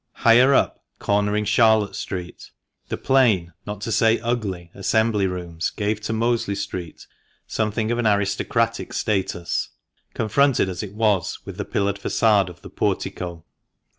Higher up, cornering Charlotte Street, the plain — not to say ugly — Assembly Rooms gave to Mosley Street something of an aristocratic status, confronted as it was with the pillared fa$ade of the Portico.